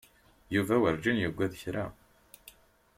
Yuba werǧin yuggad kra.